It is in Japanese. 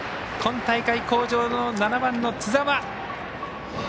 今大会好調の７番の津澤。